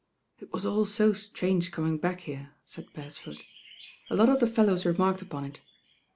"It was all so strange coming back here," said Beresford, "a lot of the fellows remarked upon it.